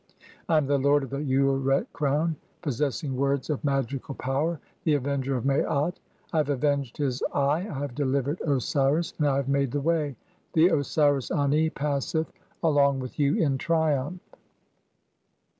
"I am the lord of the Ureret crown, (8) possessing words of "magical power, the avenger of Maat. I have avenged his Eye, "I have delivered (g) Osiris, and I have made the way ; the "Osiris Ani passeth along with you in [triumph]."